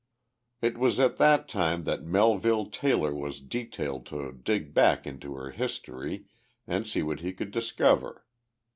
It was at that time that Melville Taylor was detailed to dig back into her history and see what he could discover.